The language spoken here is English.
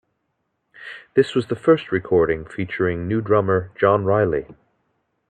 This was the first recording featuring new drummer Jon Reilly.